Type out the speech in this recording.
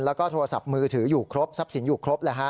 แล้วก็โทรศัพท์มือถืออยู่ครบทรัพย์สินอยู่ครบ